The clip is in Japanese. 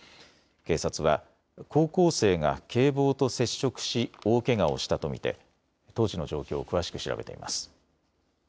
警察は、高校生が警棒と接触し大けがをしたと見て当時の状況を詳しく調べています。